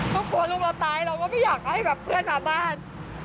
ก็กลัวลูกเราตายเราก็ไม่อยากให้แบบเพื่อนมาบ้าน